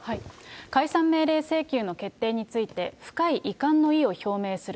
解散命令請求の決定について、深い遺憾の意を表明する。